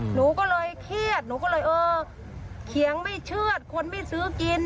หนูก็เลยเครียดหนูก็เลยเออเขียงไม่เชื่อดคนไม่ซื้อกิน